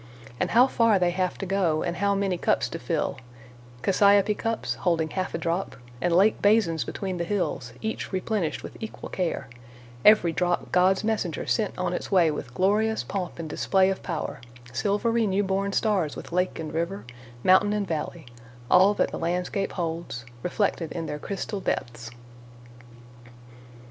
And how far they have to go, and how many cups to fill—cassiope cups, holding half a drop, and lake basins between the hills, each replenished with equal care—every drop God's messenger sent on its way with glorious pomp and display of power—silvery new born stars with lake and river, mountain and valley—all that the landscape holds—reflected in their crystal depths.